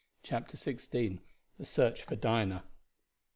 CHAPTER XVI. THE SEARCH FOR DINAH.